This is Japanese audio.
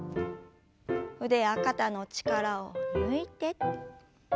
腕や肩の力を抜いて。